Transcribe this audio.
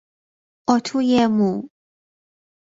اتوی مو